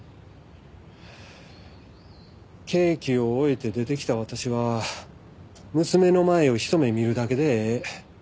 刑期を終えて出てきた私は娘の麻衣をひと目見るだけでええ